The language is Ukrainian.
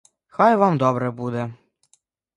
Хай вам добре буде.